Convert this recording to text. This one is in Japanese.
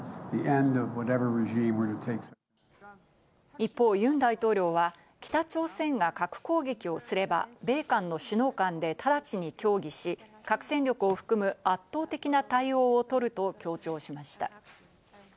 一方、ユン大統領は北朝鮮が核攻撃をすれば、米韓の首脳間でただちに協議し、核戦力を含む圧倒的な対応をとると強調しました。